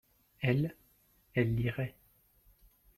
elles, elles liraient.